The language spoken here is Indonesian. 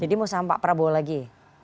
jadi mau sama pak prabowo lagi